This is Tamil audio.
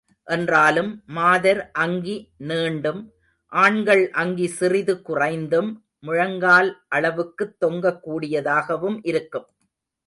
என்றாலும், மாதர் அங்கி நீண்டும், ஆண்கள் அங்கி சிறிது குறைந்தும், முழங்கால் அளவுக்குத் தொங்கக் கூடியதாகவும் இருக்கும்.